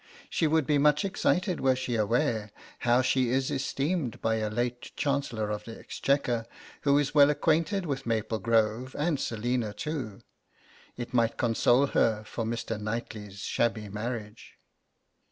She would be much excited were she aware how she is esteemed by a late Chancellor of the Exchequer, who is well acquainted with Maple Grove and Selina too. It might console her for Mr. Knightly's shabby marriage.